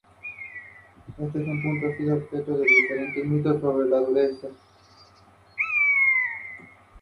Principalmente son aves insectívoras que anidan entre la vegetación baja.